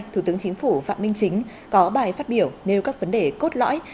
thủ tướng chính phủ phạm minh chính có bài phát biểu nêu các vấn đề cốt lõi